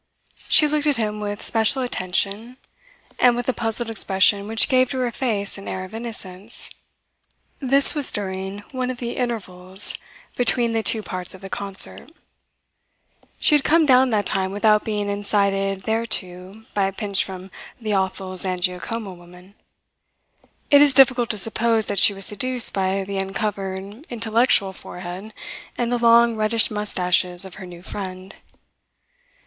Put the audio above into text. She looked at him with special attention, and with a puzzled expression which gave to her face an air of innocence. This was during one of the "intervals" between the two parts of the concert. She had come down that time without being incited thereto by a pinch from the awful Zangiacomo woman. It is difficult to suppose that she was seduced by the uncovered intellectual forehead and the long reddish moustaches of her new friend.